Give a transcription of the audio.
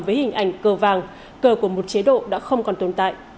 với hình ảnh cờ vàng cờ của một chế độ đã không còn tồn tại